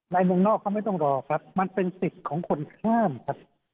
ในเมืองนอกเขาไม่ต้องรอครับมันเป็นสิทธิ์ของคนข้ามครับ